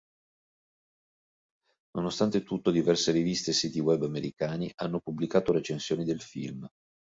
Nonostante tutto, diverse riviste e siti web americani hanno pubblicato recensioni del film.